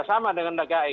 sama dengan dki